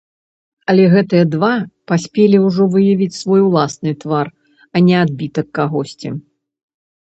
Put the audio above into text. Але гэтыя два паспелі ўжо выявіць свой уласны твар, а не адбітак кагосьці.